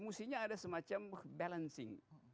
mesti ada semacam balancing